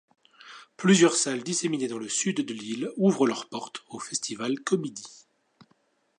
Plusieurs salles disséminées dans le sud de l'île ouvrent leurs portes au festival Komidi.